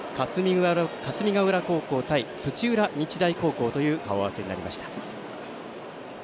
霞ヶ浦高校対土浦日大高校という顔合わせになりました。